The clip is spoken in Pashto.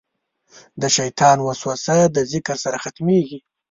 د شیطان وسوسه د ذکر سره ختمېږي.